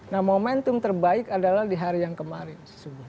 nah momentum terbaik adalah di hari yang kemarin